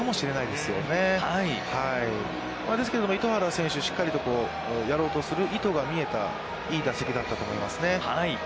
ですけれども、糸原選手、しっかりとやろうとする意図が見えたいい打席だったと思いますね。